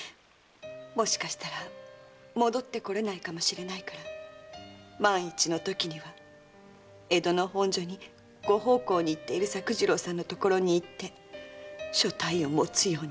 もしかしたら戻ってこられないかもしれないから万一のときは江戸の本所にご奉公にいっている作次郎さんのところに行って所帯を持つようにって。